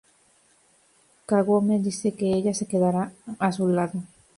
Kagome dice que ella se quedará a su lado.